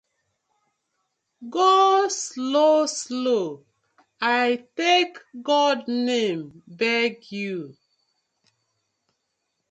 Go slow slow I tak God name beg yu.